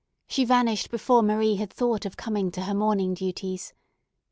She vanished before Marie had thought of coming to her morning duties.